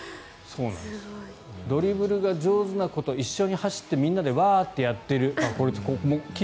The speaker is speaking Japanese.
ドリブルが上手な子と一緒に走ってみんなでワーッてやっている。